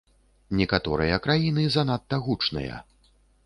Некаторыя краіны занадта гучныя.